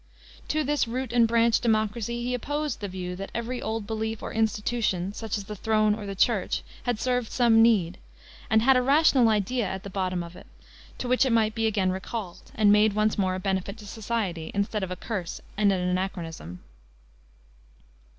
To this root and branch democracy he opposed the view, that every old belief, or institution, such as the throne or the Church, had served some need, and had a rational idea at the bottom of it, to which it might be again recalled, and made once more a benefit to society, instead of a curse and an anachronism.